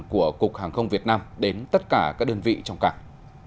của cục hàng không việt nam đến tất cả các đơn vị trong cảng